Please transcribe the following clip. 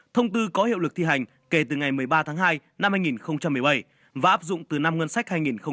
thông tư có hiệu lực thi hành kể từ ngày một mươi ba tháng hai năm hai nghìn một mươi bảy và áp dụng từ năm ngân sách hai nghìn một mươi chín